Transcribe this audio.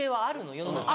世の中に。